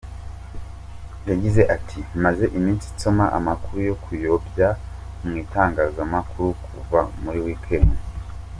Yagize ati: “Maze iminsi nsoma amakuru yo kuyobya mu itangazamakuru kuva muri weekend.